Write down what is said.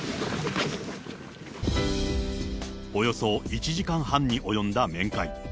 およそ１時間半に及んだ面会。